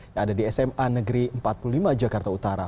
yang ada di sma negeri empat puluh lima jakarta utara